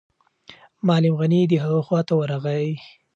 معلم غني د هغه خواته ورغی.